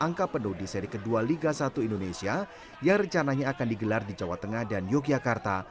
angka penuh di seri kedua liga satu indonesia yang rencananya akan digelar di jawa tengah dan yogyakarta